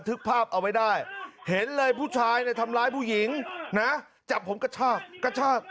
ภาพเอาไว้ได้เห็นเลยผู้ชายเนี่ยทำร้ายผู้หญิงนะจับผมกระชากกระชาก